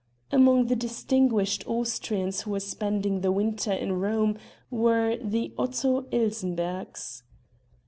Among the distinguished Austrians who were spending the winter in Rome were the Otto Ilsenberghs.